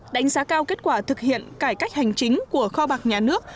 đánh giá cao kết quả thực hiện cải cách hành chính của kho bạc nhà nước